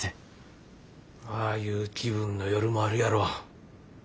ああいう気分の夜もあるやろ。